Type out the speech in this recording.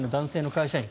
会社員